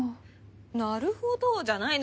「なるほど」じゃないのよ。